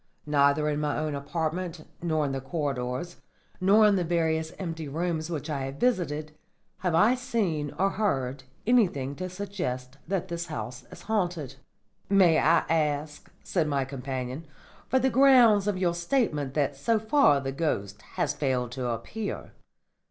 Neither in my own apartment, nor in the corridors, nor in the various empty rooms which I have visited, have I seen or heard anything to suggest that the house is haunted." "May I ask," said my companion, "for the grounds of your statement that so far the ghost has failed to appear?"